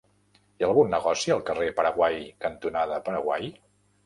Hi ha algun negoci al carrer Paraguai cantonada Paraguai?